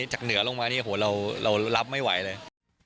จากเหนือลงมานี่โหเรารับไม่ไหวเลย